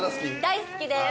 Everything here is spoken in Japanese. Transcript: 大好きです！